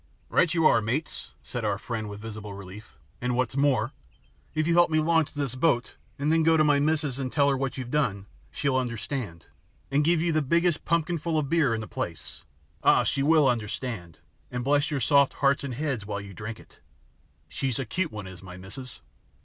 "Right you are, mates," said our friend with visible relief. "And, what's more, if you help me launch this boat and then go to my missus and tell her what you've done, she'll understand, and give you the biggest pumpkinful of beer in the place. Ah, she will understand, and bless your soft hearts and heads while you drink it she's a cute one is my missus."